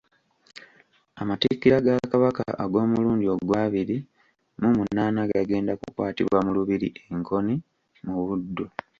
Amatikkira ga Kabaka ag'omulundi ogw'abiri mu munaana gagenda kukwatibwa mu Lubiri e Nkoni mu Buddu.